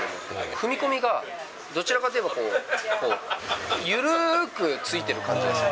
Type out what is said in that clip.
踏み込みが、どちらかといえばこう、緩くついてる感じがする。